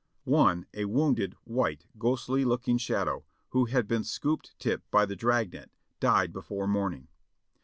One. a wounded, white, ghostly looking shadow, who had been scooped up by the drag net, died before morning.